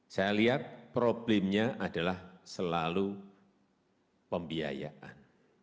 saya lihat problemnya adalah selalu pembiayaan